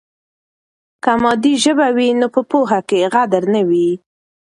که مادي ژبه وي نو په پوهه کې غدر نه وي.